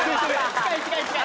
近い近い近い！